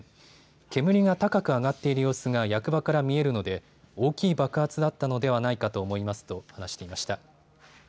煙が高く上がっている様子が役場から見えるので大きい爆発があったのではないかと思いますと話していました。